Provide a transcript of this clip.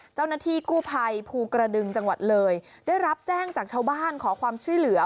เจ้าหน้าที่กู้ภัยภูกระดึงจังหวัดเลยได้รับแจ้งจากชาวบ้านขอความช่วยเหลือ